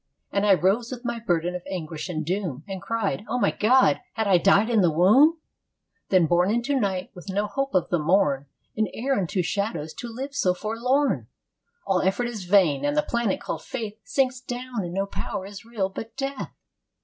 And I rose with my burden of anguish and doom, And cried, "O my God, had I died in the womb! "Than born into night, with no hope of the morn, An heir unto shadows, to live so forlorn! "All effort is vain; and the planet called Faith Sinks down; and no power is real but death.